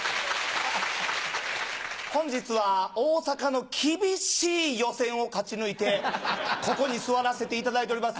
本日は大阪の厳しい予選を勝ち抜いてここに座らせていただいております。